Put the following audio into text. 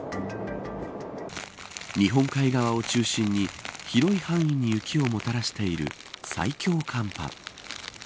日本海側を中心に広い範囲に雪をもたらしている最強寒波。